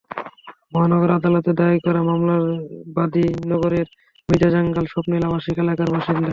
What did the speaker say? মহানগর আদালতে দায়ের করা মামলার বাদী নগরের মির্জাজাঙ্গাল স্বপ্নিল আবাসিক এলাকার বাসিন্দা।